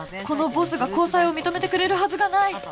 このボスが交際を認めてくれるはずがない